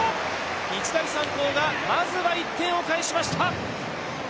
日大三高がまずは１点を返しました。